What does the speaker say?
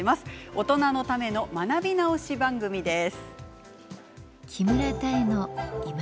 大人のための学び直しの番組です。